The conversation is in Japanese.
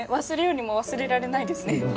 忘れようにも忘れられないですね